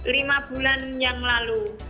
lima bulan yang lalu